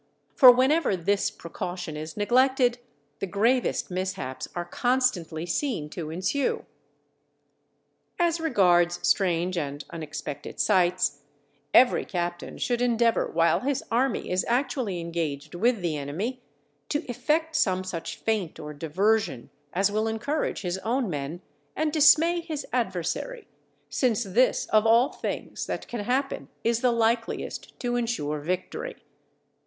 For whenever this precaution is neglected the gravest mishaps are constantly seen to ensue. As regards strange and unexpected sights, every captain should endeavour while his army is actually engaged with the enemy, to effect some such feint or diversion as will encourage his own men and dismay his adversary since this of all things that can happen is the likeliest to ensure victory.